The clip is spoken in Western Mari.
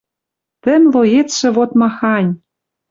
Тӹ млоецшӹ вот махань!